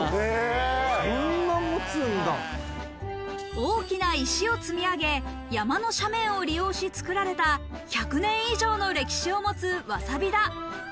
大きな石を積み上げ、山の斜面を利用し作られた１００年以上の歴史を持つわさび田。